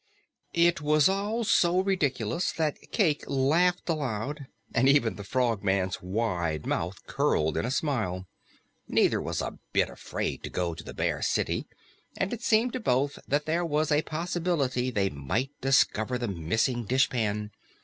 It was all so ridiculous that Cayke laughed aloud, and even the Frogman's wide mouth curled in a smile. Neither was a bit afraid to go to the Bear City, and it seemed to both that there was a possibility they might discover the missing dishpan.